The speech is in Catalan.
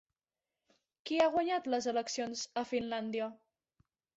Qui ha guanyat les eleccions a Finlàndia?